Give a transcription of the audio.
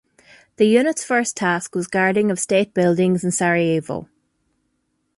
The unit's first task was guarding of state buildings in Sarajevo.